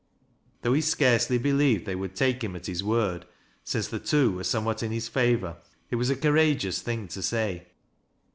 Though he scarcely believed they would take him at bis word, since the two were somewhat in his favor, it wafi a courageous thing to say.